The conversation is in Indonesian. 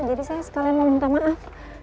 jadi saya sekalian mau minta maaf